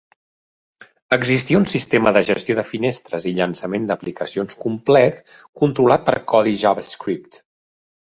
Existia un sistema de gestió de finestres i llançament de aplicacions complet controlat per codi JavaScript.